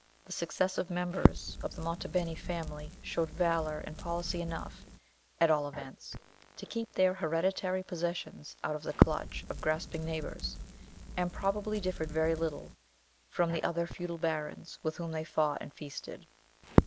The successive members of the Monte Beni family showed valor and policy enough' at all events, to keep their hereditary possessions out of the clutch of grasping neighbors, and probably differed very little from the other feudal barons with whom they fought and feasted.